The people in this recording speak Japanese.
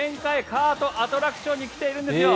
カートアトラクションに来ているんですよ。